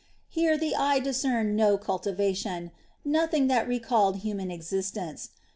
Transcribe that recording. Here the eye discerned no cultivation, nothing that recalled human existence.